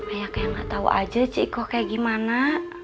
kayak gak tau aja ciko kayak gimana